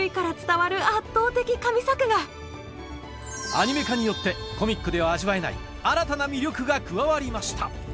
アニメ化によってコミックでは味わえない新たな魅力が加わりました